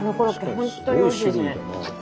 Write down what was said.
本当においしいですね。